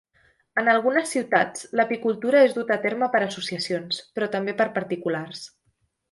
En algunes ciutats, l'apicultura és duta a terme per associacions, però també per particulars.